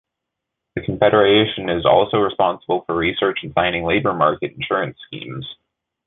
The Confederation is also responsible for research and signing labour market insurance schemes.